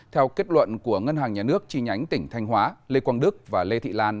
theo kết luận của ngân hàng nhà nước chi nhánh tỉnh thanh hóa lê quang đức và lê thị lan